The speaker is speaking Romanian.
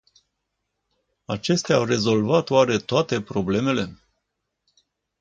Acestea au rezolvat oare toate problemele?